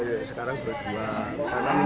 kalau sudah agak degar itu naikannya lumayan